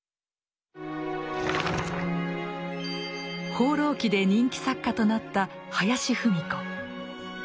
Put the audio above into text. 「放浪記」で人気作家となった林芙美子。